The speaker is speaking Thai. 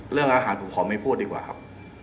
เรื่องอาหารผมขอไม่พูดดีกว่าครับ